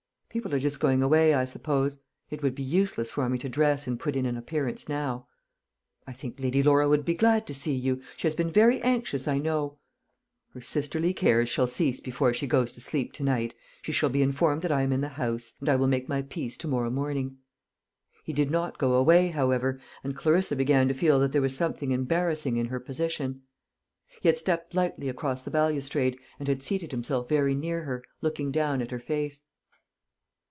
People are just going away, I suppose. It would be useless for me to dress and put in an appearance now." "I think Lady Laura would be glad to see you. She has been very anxious, I know." "Her sisterly cares shall cease before she goes to sleep to night. She shall be informed that I am in the house; and I will make my peace to morrow morning." He did not go away however, and Clarissa began to feel that there was something embarrassing in her position. He had stepped lightly across the balustrade, and had seated himself very near her, looking down at her face.